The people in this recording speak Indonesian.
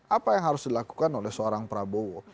apa yang harus dilakukan oleh seorang prabowo